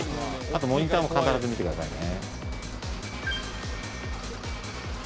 あと、モニターも必ず見てくださいね。